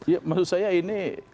ya maksud saya ini